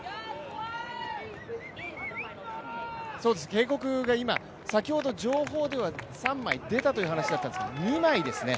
警告が今、先ほど情報では３枚出たという話だったんですが、２枚ですね。